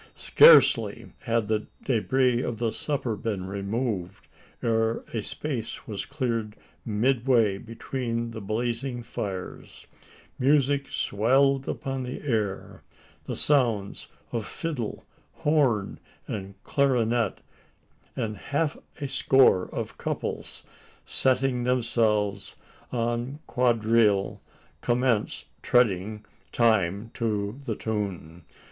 Scarcely had the debris of the supper been removed, ere a space was cleared midway between the blazing fires; music swelled upon the air the sounds of fiddle, horn, and clarionet and half a score of couples, setting themselves en quadrille, commence treading time to the tune.